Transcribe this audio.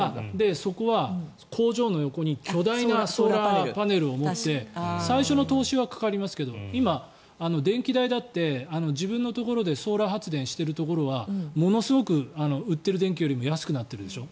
そこは工場の横に巨大なソーラーパネルを持って最初の投資はかかりますけど今、電気代だって自分のところでソーラー発電してるところはものすごく売っている電気よりも安くなってるでしょ。